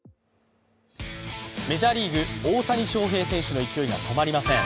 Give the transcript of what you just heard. メジャーリーグ、大谷翔平選手の勢いが止まりません。